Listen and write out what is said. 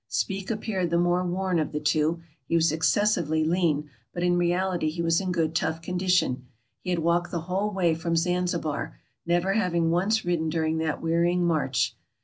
Speke appeared the more worn of the two ; he was excessively lean, but in reality he was in good tough condition ; he had walked the whole way from Zanzi bar, never having once ridden during that wearying march.